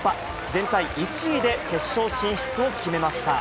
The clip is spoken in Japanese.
全体１位で決勝進出を決めました。